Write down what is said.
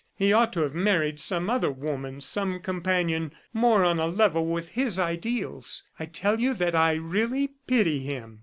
He ought to have married some other woman, some companion more on a level with his ideals. ... I tell you that I really pity him!"